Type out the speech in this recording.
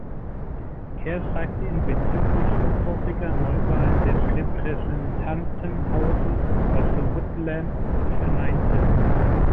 Kerr fragte ihn bezüglich sofortiger Neuwahlen des Repräsentantenhauses, was Whitlam verneinte.